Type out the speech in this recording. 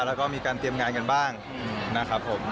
แล้วก็มีการเตรียมงานกันบ้างนะครับผม